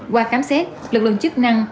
qua khám xét lực lượng chức năng